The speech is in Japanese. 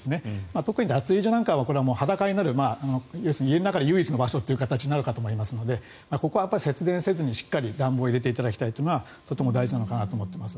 特に脱衣所なんかは裸になる要するに家の中で唯一の場所という形になると思いますのでここは節電せずに、しっかり暖房を入れていただくのも大事なのかなと思っています。